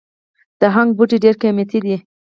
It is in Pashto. د هنګ بوټی ډیر قیمتي دی